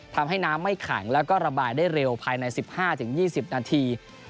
ทำให้น้ำไม่ขังแล้วก็ระบายได้เร็วภายในสิบห้าถึงยี่สิบนาที